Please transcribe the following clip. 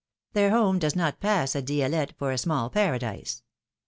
Their home does not pass at Dielette for a small paradise.